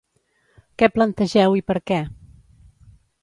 Què plantegeu i per què?